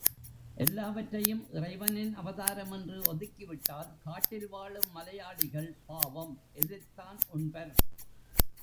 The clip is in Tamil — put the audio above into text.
எல்லாவற்றையும் இறைவனின் அவதாரம் என்று ஒதுக்கி விட்டால் காட்டில் வாழும் மலையாளிகள் பாவம், எதைத்தான் உண்பர்......!